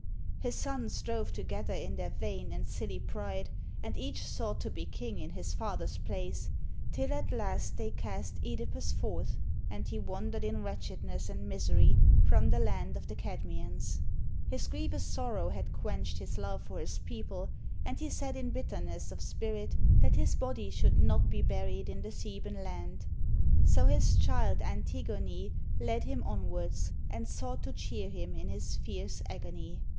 His sons strove together in their vain and silly pride, and each sought to be king in his father's place, till at last they cast QEdipus forth, and he wandered in wretchedness and misery from the land of the Kadmeians. His grievous sorrow had quenched his love for his people, and he said in bitterness of spirit that his body should not be buried in the Theban land. So his child Antigone led him onwards, and sought to cheer him in his fierce agony.